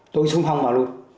tôi xung phong vào luôn